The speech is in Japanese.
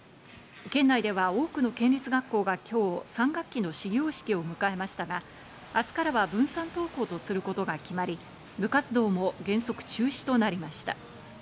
県内では多くの県立学校が今日３学期の始業式を迎えましたが、明日からは分散登校とすることが決まり、部活動も原則中止となりました。